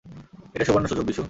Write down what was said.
এটা সুবর্ণ সুযোগ, বিশু।